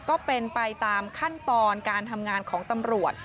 ก็เป็นไปตามขั้นตอนการทำงานของตำรวจ